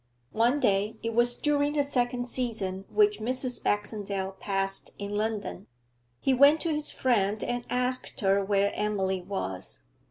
One day it was during the second season which Mrs. Baxendale passed in London he went to his friend and asked her where Emily was.